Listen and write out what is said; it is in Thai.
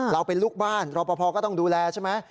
เราเป็นลูกบ้านรอปภก็ต้องดูแลใช่ไหม